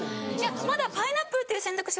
まだパイナップルっていう選択肢